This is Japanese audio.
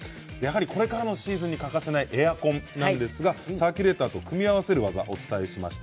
これからのシーズンに欠かせないエアコンですがサーキュレーターと組み合わせる技をお伝えしました。